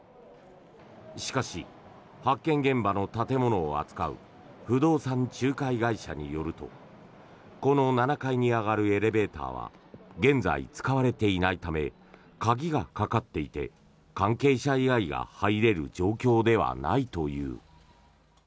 しかし、発見現場の建物を扱う不動産仲介会社によるとこの７階に上がるエレベーターは現在、使われていないため鍵がかかっていて関係者以外が入れる状況ではないという。